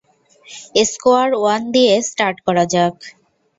Square one দিয়ে start করা যাক।